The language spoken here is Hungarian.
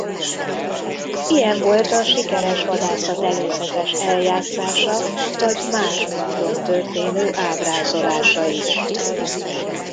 Ilyen volt a sikeres vadászat előzetes eljátszása vagy más módon történő ábrázolása is.